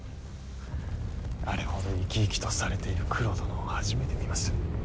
あれほど生き生きとされている九郎殿を初めて見ました。